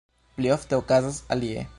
Pli ofte okazas alie.